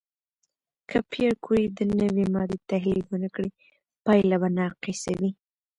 که پېیر کوري د نوې ماده تحلیل ونه کړي، پایله به ناقصه وي.